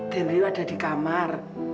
dan rio ada di kamar